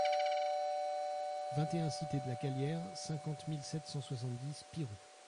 vingt et un cité de la Calière, cinquante mille sept cent soixante-dix Pirou